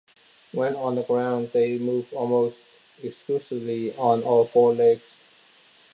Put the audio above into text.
When on the ground, they move almost exclusively on all four legs.